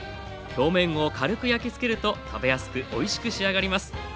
表面を軽く焼きつけると食べやすくおいしく仕上がります。